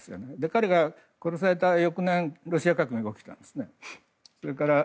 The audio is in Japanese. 彼が殺された翌年ロシア革命が起きたんですね。